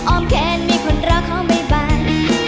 อมแคนมีคนรอเขาไม่บัน